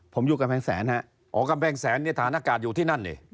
ผมอยู่กำแพงแสนฮะอ๋อกำแพงแสนเนี่ยฐานอากาศอยู่ที่นั่นนี่